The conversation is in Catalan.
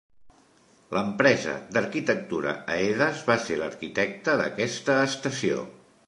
L'empresa d'arquitectura Aedas va ser l'arquitecte d'aquesta estació.